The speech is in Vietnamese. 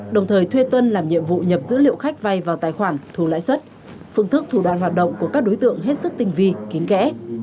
đồng thời thuê tuân làm nhiệm vụ nhập dữ liệu khách vay vào tài khoản thù lãi suất phương thức thủ đoàn hoạt động của các đối tượng hết sức tinh vi kín kẽ